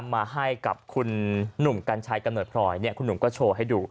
มาให้กับคุณหนุ่มกัญชัยกำเนิดพลอยเนี่ยคุณหนุ่มก็โชว์ให้ดู